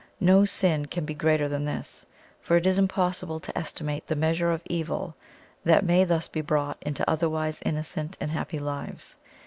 No sin can be greater than this; for it is impossible to estimate the measure of evil that may thus be brought into otherwise innocent and happy lives.